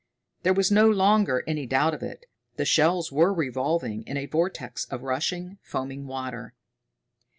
There was no longer any doubt of it. The shells were revolving in a vortex of rushing, foaming water.